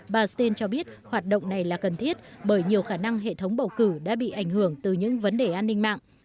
bà sten cho biết hoạt động này là cần thiết bởi nhiều khả năng hệ thống bầu cử đã bị ảnh hưởng từ những vấn đề an ninh mạng